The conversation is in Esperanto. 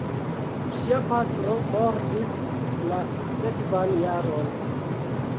Ŝia patro mortis la sekvan jaron.